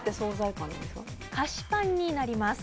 菓子パンになります。